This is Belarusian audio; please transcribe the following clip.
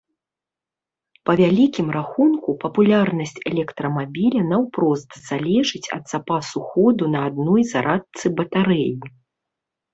Па вялікім рахунку, папулярнасць электрамабіля наўпрост залежыць ад запасу ходу на адной зарадцы батарэі.